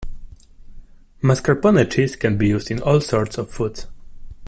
Marscapone cheese can be used in all sorts of foods.